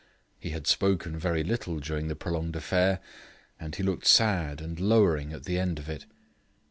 He had spoken very little during the prolonged affair, and he looked sad and lowering at the end of it.